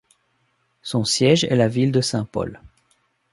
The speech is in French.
Son siège est la ville de Saint Paul.